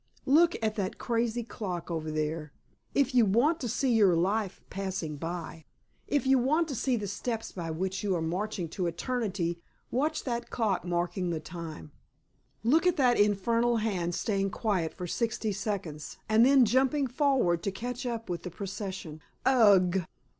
Look at that crazy clock over there. If you want to see your life passing away, if you want to see the steps by which you are marching to eternity, watch that clock marking the time. Look at that infernal hand staying quiet for sixty seconds and then jumping forward to catch up with the procession. Ugh!"